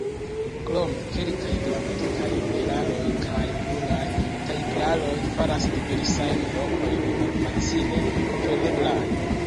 Krome, kelkaj gramatikaj eraroj kaj pluraj tajperaroj faras diversajn lokojn malfacile kompreneblaj.